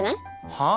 はあ？